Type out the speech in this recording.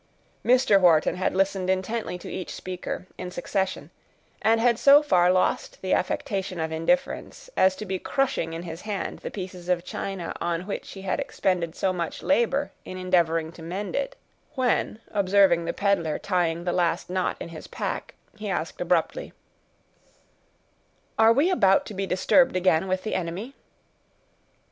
Mr. Wharton had listened intently to each speaker, in succession, and had so far lost the affectation of indifference, as to be crushing in his hand the pieces of china on which he had expended so much labor in endeavoring to mend it; when, observing the peddler tying the last knot in his pack, he asked abruptly, "Are we about to be disturbed again with the enemy?"